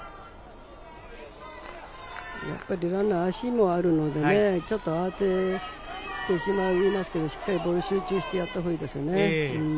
やっぱりランナーは足もあるので、慌ててしまいますけど、しっかりボールに集中してやったほうがいいですね。